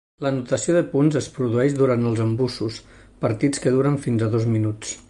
L'anotació de punts es produeix durant els "embussos": partits que duren fins a dos minuts.